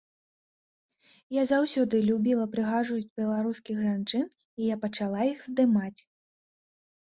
Я заўсёды любіла прыгажосць беларускіх жанчын і я пачала іх здымаць.